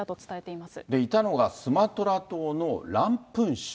いたのが、スマトラ島のランプン州。